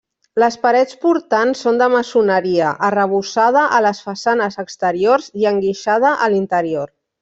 Les parets portants són de maçoneria, arrebossada a les façanes exteriors i enguixada a l'interior.